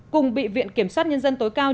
cùng bị viện kiểm soát nhân dân tối cao